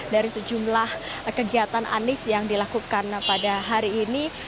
dari sejumlah kegiatan anies yang dilakukan pada hari ini